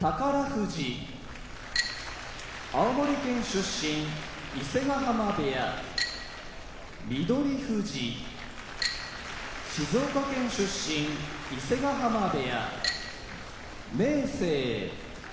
富士青森県出身伊勢ヶ濱部屋翠富士静岡県出身伊勢ヶ濱部屋明生